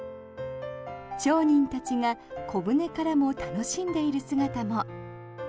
町人たちが小舟からも楽しんでいる姿も。